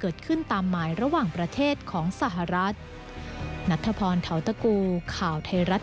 เกิดขึ้นตามหมายระหว่างประเทศของสหรัฐ